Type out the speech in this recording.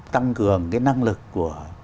tăng cường cái năng lực của